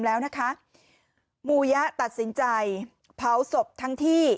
แล้วนะคะหมู่ยะตัดสินใจเผาศพทั้งที่